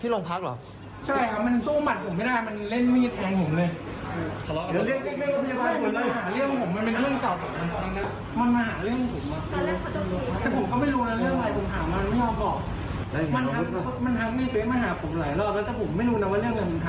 รองพักเหรอ